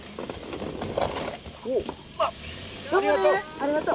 ありがとう。